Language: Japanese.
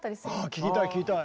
あ聞きたい聞きたい。